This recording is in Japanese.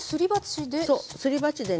ですり鉢で。